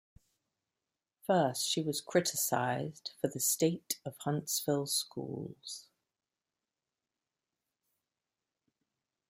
First, she was criticized for the state of Huntsville schools.